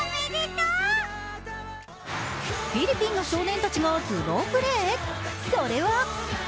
フィリピンの少年たちが頭脳プレー？